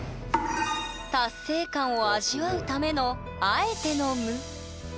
達成感を味わうためのあえての無。